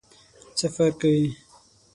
څه فرق کوي ؟